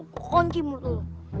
pokoknya ini mudah